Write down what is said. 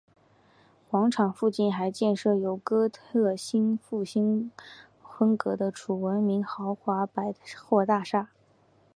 广场附近还建设有哥特式复兴风格的楚闻明豪华百货大厦。